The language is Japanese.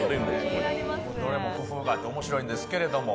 どれも工夫があって面白いんですけども。